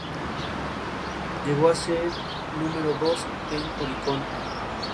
Llegó a ser número dos en Oricon.